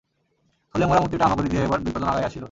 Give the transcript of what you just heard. থলে-মোড়া মূর্তিটা হামাগুড়ি দিয়া এবার দুই কদম আগাঁইয়া আসিল।